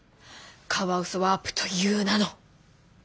カワウソワープという名の。